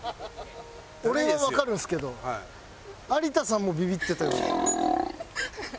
俺はわかるんですけど有田さんもビビってたような。